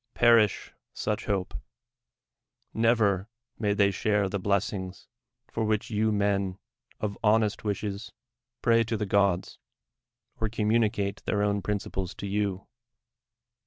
Pei'ish such hon.'l Xevef nuay they share the blessings for wliich you mm of honest wishes pray to the go.ls, or eonnnuni cat<' their own principles to you